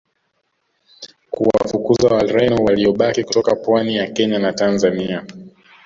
kuwafukuza Wareno waliobaki kutoka pwani ya Kenya na Tanzania